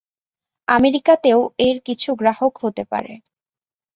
আমেরিকাতেও এর কিছু গ্রাহক হতে পারে।